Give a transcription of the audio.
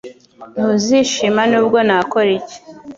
Ntuzishima nubwo nakora iki